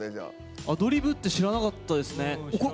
アドリブって知らなかった。